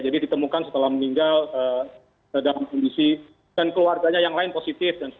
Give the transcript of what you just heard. jadi ditemukan setelah meninggal dalam kondisi dan keluarganya yang lain positif